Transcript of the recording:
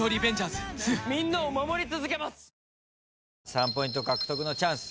３ポイント獲得のチャンス。